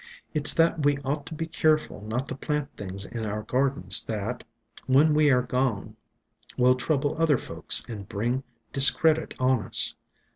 It 's that we ought to be keerful not to plant things in our gardens that, when we air gone, will trouble other folks and bring discredit on us."